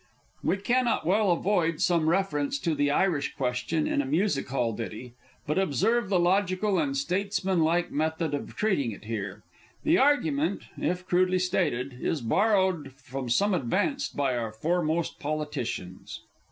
(_We cannot well avoid some reference to the Irish Question in a Music hall ditty, but observe the logical and statesmanlike method of treating it here. The argument if crudely stated is borrowed from some advanced by our foremost politicians.